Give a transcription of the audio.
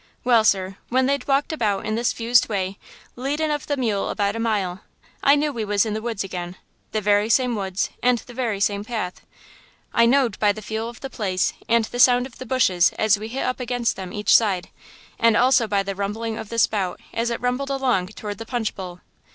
"Well, sir, when they'd walked about in this 'fused way, leadin' of the mule about a mile, I knew we was in the woods again–the very same woods and the very same path–I, knowed by the feel of the place and the sound of the bushes as we hit up against them each side, and also by the rumbling of the Spout as it rumbled along toward the Punch Bowl.